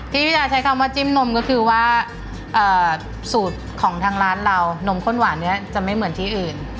พี่วิชาใช้คำว่าจิ้มนมก็คือว่าสูตรของทางร้านเรานมข้นหวานนี้จะไม่เหมือนที่อื่น